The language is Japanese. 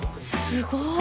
すごい！